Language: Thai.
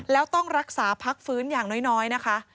แล้วต้องรักษาพักฟื้นอย่างน้อยนะคะ